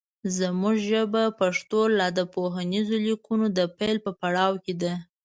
زمونږ ژبه پښتو لا د پوهنیزو لیکنو د پیل په پړاو کې ده